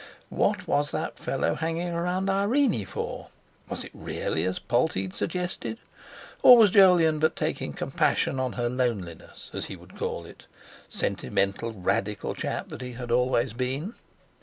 What was that fellow hanging round Irene for? Was it really as Polteed suggested? Or was Jolyon but taking compassion on her loneliness, as he would call it—sentimental radical chap that he had always been?